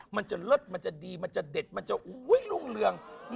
มันจะเลิศมันจะดีมันจะเด็ดมันจะรุ่งเรือง